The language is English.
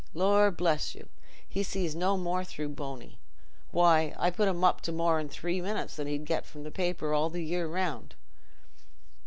Lor' bless you, he sees no more through Bony!... why, I put him up to more in three minutes than he gets from's paper all the year round.